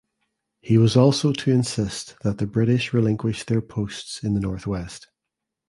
He was also to insist that the British relinquish their posts in the Northwest.